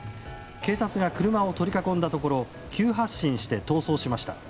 警察が車を取り囲んだところ急発進して逃走しました。